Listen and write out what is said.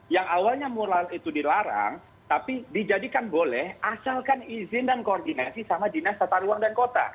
yang awalnya mural itu dilarang tapi dijadikan boleh asalkan izin dan koordinasi sama dinas tata ruang dan kota